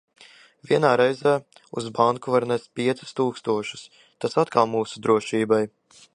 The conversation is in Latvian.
Vienā reizē uz banku var nest piecus tūkstošus, tas atkal mūsu drošībai.